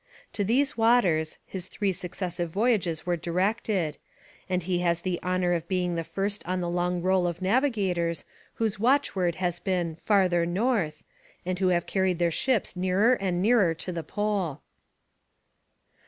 To these waters, his three successive voyages were directed, and he has the honour of being the first on the long roll of navigators whose watchword has been 'Farther North,' and who have carried their ships nearer and nearer to the pole.